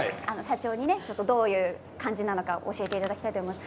どういう感じか教えていただきたいと思います。